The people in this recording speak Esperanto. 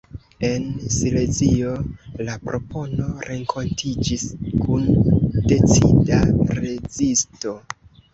En Silezio la propono renkontiĝis kun decida rezisto.